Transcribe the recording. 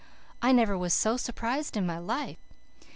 I never was so surprised in my life.